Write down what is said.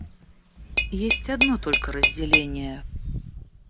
Есть одно только разделение.